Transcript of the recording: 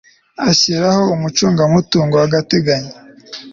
ashyiraho umucungamutungo w agateganyo